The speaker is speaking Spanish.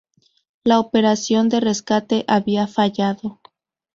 La operación de rescate había fallado.